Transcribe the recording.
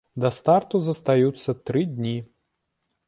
Да старту застаюцца тры дні.